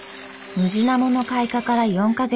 ムジナモの開花から４か月。